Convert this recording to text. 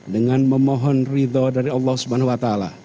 dengan memohon ridho dari allah swt